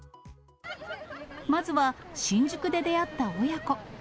まずは新宿で出会った親子。